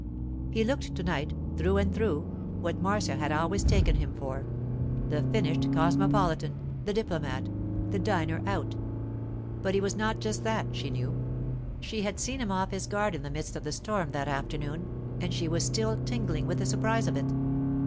He looked to night, through and through, what Marcia had always taken him for—the finished cosmopolitan—the diplomat—the diner out. But he was not just that, she knew; she had seen him off his guard in the midst of the storm that afternoon, and she was still tingling with the surprise of it.